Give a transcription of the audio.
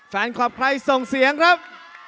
แฟนคลับใครส่งเสียงครับ